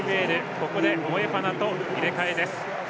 ここでモエファナと入れ替えです。